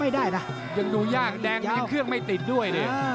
ไม่ได้นะยังดูยากแดงมีเครื่องไม่ติดด้วยนะ